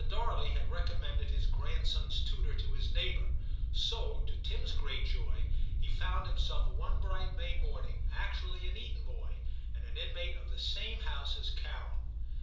Darley had recommended his grandson's tutor to his neighbour ; so, to Tim*s great joy, he found himself one bright May morning actually an Eton boy, and an inmate of the same house as Carol.